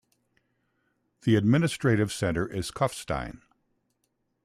The administrative center is Kufstein.